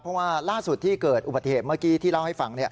เพราะว่าล่าสุดที่เกิดอุบัติเหตุเมื่อกี้ที่เล่าให้ฟัง